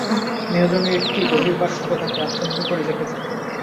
দেহ যেন একটি বহির্বাসরূপে তাকে আচ্ছাদিত করে রেখেছে।